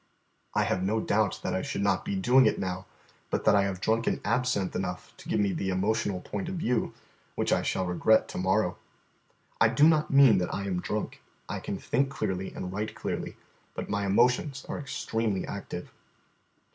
I have no doubt that I should not be doing it now but that I have drunken absinthe enough to give me the emotional point of view, which I shall regret to morrow. I do not mean that I am drunk. I can think clearly and write clearly, but my emotions are extremely active.